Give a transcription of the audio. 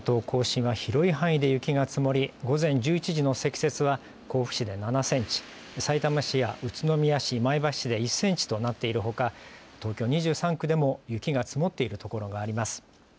関東甲信は広い範囲で雪が積もり午前１１時の積雪は甲府市で７センチさいたま市や宇都宮市、前橋市で１センチとなっているほか東京２３区でも雪が積もっている所があります。